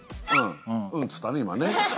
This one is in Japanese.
「うん」っつったね今ね。